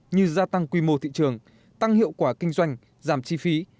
như gia tăng quy mô thị trường tăng hiệu quả kinh doanh giảm chi phí